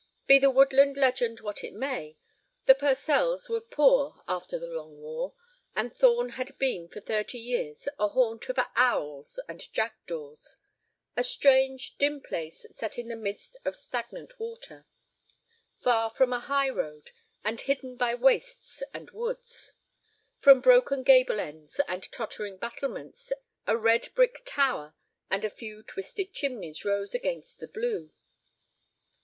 Be the woodland legend what it may, the Purcells were poor after the long war, and Thorn had been for thirty years a haunt of owls and jackdaws—a strange, dim place set in the midst of stagnant water, far from a high road, and hidden by wastes and woods. From broken gable ends and tottering battlements a red brick tower and a few twisted chimneys rose against the blue.